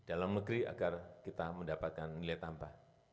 dalam negeri agar kita mendapatkan nilai tambah